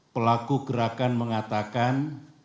pelaku gerakan mengatakan